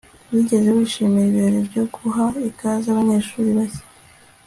wigeze wishimira ibirori byo guha ikaze abanyeshuri bashya